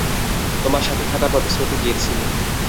তোমার সাথে থাকার প্রতিশ্রুতি দিয়েছি।